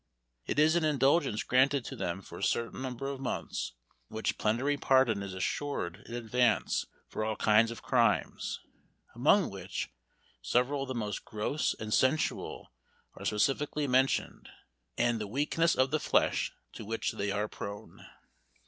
It is an indulgence granted to them for a certain number of months, in which plenary pardon is assured in advance for all kinds of crimes, among which, several of the most gross and sensual are specifically mentioned, and the weakness of the flesh to which they are prone.